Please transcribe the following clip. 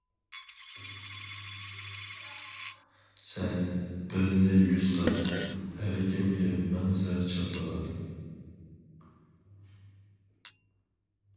سەن بىرىنى يۈز قىلىپ، ھەركىمگە مىڭ سەر چاپلىغان.